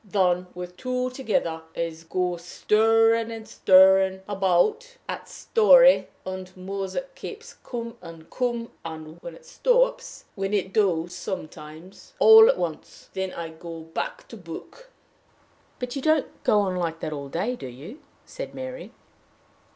Then, with the two together, I go stirring and stirring about at the story, and the music keeps coming and coming; and when it stops, which it does sometimes all at once, then I go back to the book." "But you don't go on like that all day, do you?" said Mary.